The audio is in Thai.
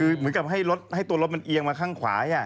เหมือนกับที่ตัวรถเป็นเอียงมาข้างขวา